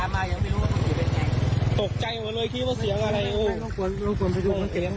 ไม่อยู่